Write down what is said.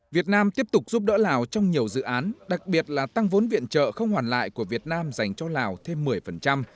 việt nam tiếp tục giúp đỡ lào trong nhiều dự án đặc biệt là tăng vốn viện trợ không hoàn lại của việt nam dành cho lào thêm một mươi